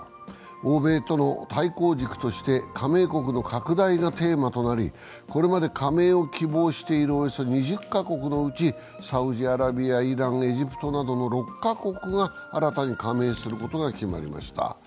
欧米との対抗軸として加盟国の拡大がテーマとなり、これまで加盟を希望しているおよそ２０か国のうち、サウジアラビア、イラン、エジプトなどの６か国が新たに加盟することが決まりました。